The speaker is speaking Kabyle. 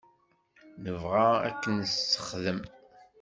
Nebɣa ad k-nessexdem.